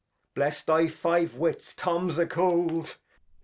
Bless thy five Wits. Tom's a cold.